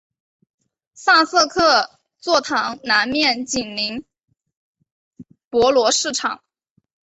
萨瑟克座堂南面紧邻博罗市场。